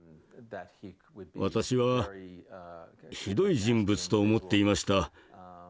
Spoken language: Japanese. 私はひどい人物と思っていました。